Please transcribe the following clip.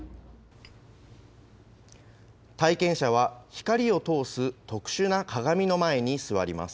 体験者は、光を通す特殊な鏡の前に座ります。